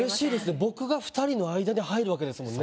僕が二人の間に入るわけですもんね。